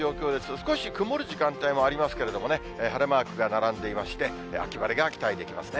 少し曇る時間帯もありますけれどもね、晴れマークが並んでいまして、秋晴れが期待できますね。